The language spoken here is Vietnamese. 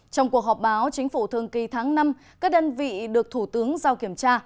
trong cuộc họp báo chính phủ thường kỳ tháng năm các đơn vị được thủ tướng giao kiểm tra